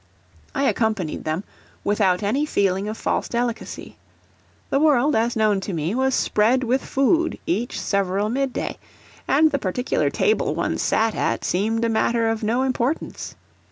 I accompanied them, without any feeling of false delicacy. The world, as known to me, was spread with food each several mid day, and the particular table one sat at seemed a matter of no importance.